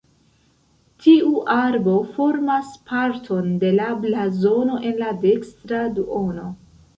Tiu arbo formas parton de la blazono en la dekstra duono.